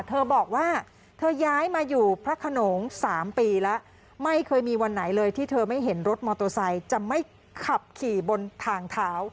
เธอบอกว่าเธอย้ายมาอยู่พระขนง๓ปีแล้วไม่เคยมีวันไหนเลยที่เธอไม่เห็นรถมอเตอร์ไซค์จะไม่ขับขี่บนทางเท้า